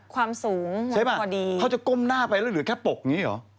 ความสูงหัวดีใช่ไหมเขาจะก้มหน้าไปหรือแค่ปกอย่างนี้หรอ